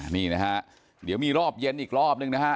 นี่นะฮะเดี๋ยวมีรอบเย็นอีกรอบนึงนะฮะ